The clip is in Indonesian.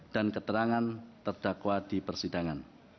dan keterangan terdakwa di persidangan